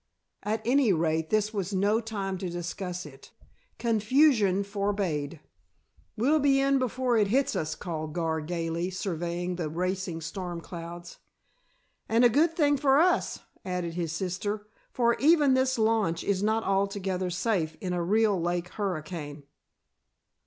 At any rate this was no time to discuss it. Confusion forbade. "We'll be in before it hits us," called Gar gayly, surveying the racing storm clouds. "And a good thing for us," added his sister, "for even this launch is not altogether safe in a real lake hurricane."